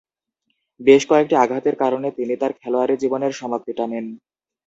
বেশ কয়েকটি আঘাতের কারণে তিনি তাঁর খেলোয়াড়ী জীবনের সমাপ্তি টানেন।